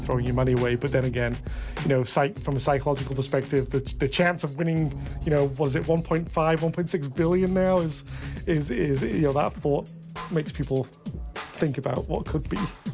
ความคิดว่าจะเป็นคำตอบที่สุด